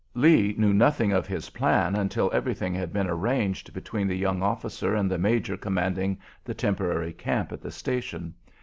Lee knew nothing of his plan until everything had been arranged between the young officer and the major commanding the temporary camp at the station.